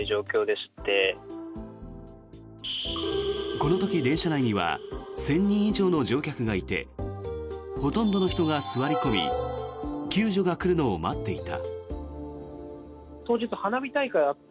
この時、電車内には１０００人以上の乗客がいてほとんどの人が座り込み救助が来るのを待っていた。